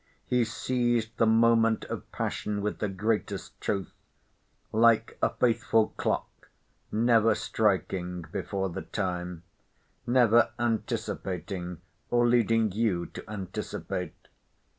He seized the moment of passion with the greatest truth; like a faithful clock, never striking before the time; never anticipating or leading you to anticipate.